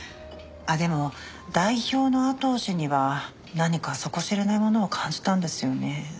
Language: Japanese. あっでも代表の阿藤氏には何か底知れないものを感じたんですよね。